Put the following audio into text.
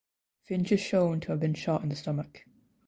Finch is shown to have been shot in the stomach.